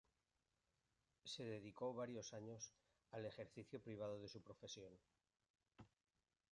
Se dedicó varios años al ejercicio privado de su profesión.